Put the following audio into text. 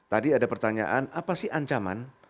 tadi ada pertanyaan apa sih ancaman